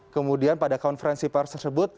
kemudian pada konferensi pers tersebut